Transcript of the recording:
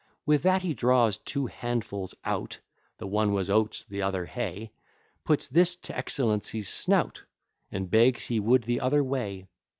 With that he draws two handfuls out, The one was oats, the other hay; Puts this to's excellency's snout, And begs he would the other weigh.